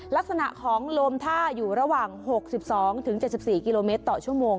ลักษณะของโลมท่าอยู่ระหว่าง๖๒๗๔กิโลเมตรต่อชั่วโมง